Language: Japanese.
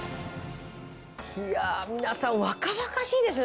いや皆さん若々しいですね